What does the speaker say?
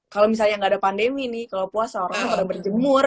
kalo misalnya gak ada pandemi nih kalo puasa orangnya pada berjemur